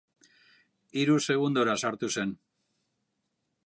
Hiru segundora sartu zen.